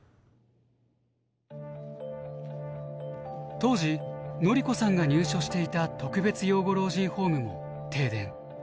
当時典子さんが入所していた特別養護老人ホームも停電。